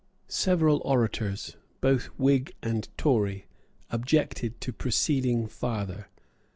Several orators, both Whig and Tory, objected to proceeding farther.